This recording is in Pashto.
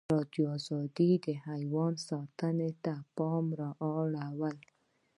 ازادي راډیو د حیوان ساتنه ته پام اړولی.